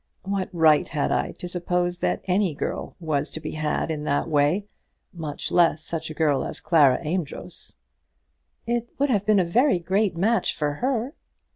What right had I to suppose that any girl was to be had in that way; much less such a girl as Clara Amedroz?" "It would have been a great match for her."